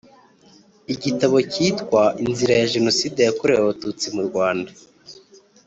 Igitabo cyitwa “Inzira ya Jenoside yakorewe Abatutsi mu Rwanda”